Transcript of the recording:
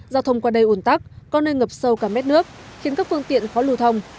giao thông qua đây ủn tắc có nơi ngập sâu cả mét nước khiến các phương tiện khó lưu thông